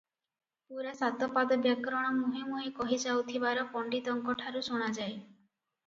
ପୂରା ସାତପାଦ ବ୍ୟାକରଣ ମୁହେଁ ମୁହେଁ କହିଯାଉଥିବାର ପଣ୍ତିତଙ୍କ ଠାରୁ ଶୁଣାଯାଏ ।